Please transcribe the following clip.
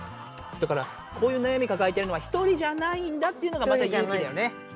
だからこういう悩みかかえてるのは１人じゃないんだっていうのがまた勇気だよね。